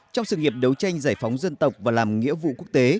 trong sự nghiệp đấu tranh giải phóng dân tộc và làm nghĩa vụ quốc tế